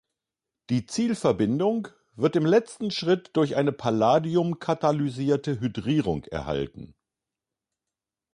Die Zielverbindung wird im letzten Schritt durch eine Palladium katalysierte Hydrierung erhalten.